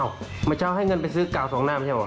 อ้าวมันเจ้าให้เงินไปซื้อ๙๒๕ใช่หรือ